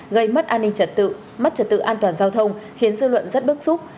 gây mất an ninh trật tự mất trật tự an toàn giao thông khiến dư luận rất bức xúc